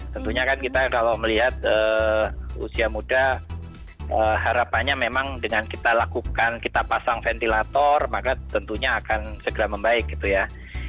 tentunya kan kita kalau melihat usia muda harapannya memang dengan kita lakukan kita pasang ventilator maka tentunya akan segera membaik gitu ya